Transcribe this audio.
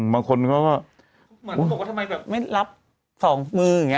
เหมือนเค้าบอกว่าทำไมไม่รับ๒มืออย่างนี้